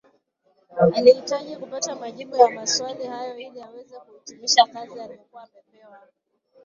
Alihitaji kupata majibu ya maswali hayo ili aweze kuhitimisha kazi alokuwa amepewa